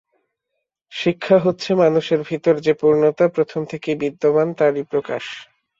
শিক্ষা হচ্ছে, মানুষের ভিতর যে পূর্ণতা প্রথম থেকেই বিদ্যমান, তারই প্রকাশ।